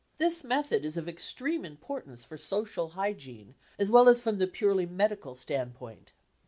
This method is of extreme importance for social hygiene as well as from the purely medical standpoint.